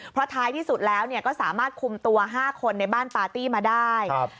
เพราะท้ายที่สุดแล้วก็สามารถคุมตัว๕คนในบ้านปาร์ตี้มาได้